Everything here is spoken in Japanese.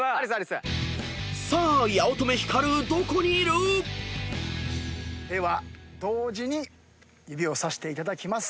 ［さあ八乙女光どこにいる⁉］では同時に指をさしていただきます。